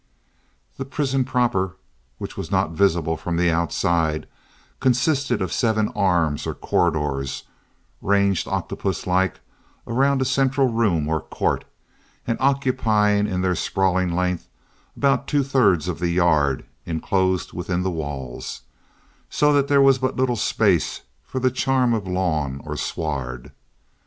The prison proper, which was not visible from the outside, consisted of seven arms or corridors, ranged octopus like around a central room or court, and occupying in their sprawling length about two thirds of the yard inclosed within the walls, so that there was but little space for the charm of lawn or sward.